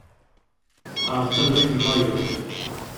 Ɛṛeḍ abrid-nnayeḍ.